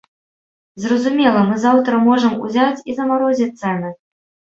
Зразумела, мы заўтра можам узяць і замарозіць цэны.